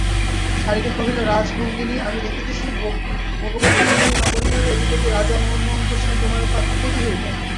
শারিকা কহিল রাজনন্দিনি আমি দেখিতেছি ভোগবতী নগরীর অধিপতি রাজা অনঙ্গসেন তোমার পতি হইবেন।